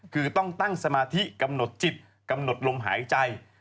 คือต้องตั้งสมาธิกำหนดจิตกำหนดลมหายใจ